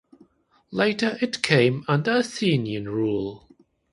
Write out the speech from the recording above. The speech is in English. Later it came under Athenian rule.